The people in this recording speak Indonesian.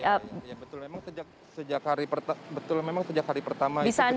ya betul memang sejak hari pertama